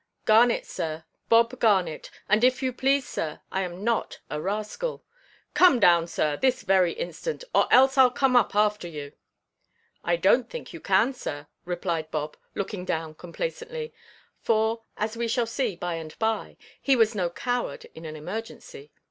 "Garnet, sir, Bob Garnet. And if you please, sir, I am not a rascal." "Come down, sir, this very instant; or else Iʼll come up after you." "I donʼt think you can, sir," replied Bob, looking down complacently; for, as we shall see by–and–by, he was no coward in an emergency.